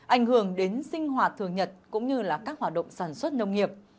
ảnh hưởng đến sinh hoạt thường nhật cũng như là các hoạt động sản xuất nông nghiệp